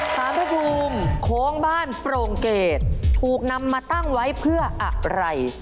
พระภูมิโค้งบ้านโปร่งเกรดถูกนำมาตั้งไว้เพื่ออะไร